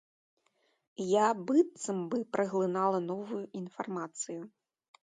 Я быццам бы праглынала новую інфармацыю.